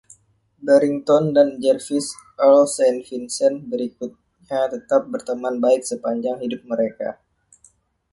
Barrington dan Jervis, Earl Saint Vincent berikutnya tetap berteman baik sepanjang hidup mereka.